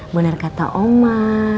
benar kata oma